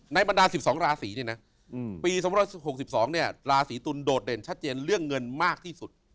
บรรดา๑๒ราศีเนี่ยนะปี๒๖๒เนี่ยราศีตุลโดดเด่นชัดเจนเรื่องเงินมากที่สุด